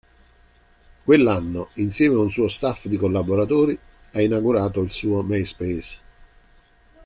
Quell'anno, insieme a un suo staff di collaboratori, ha inaugurato il suo myspace.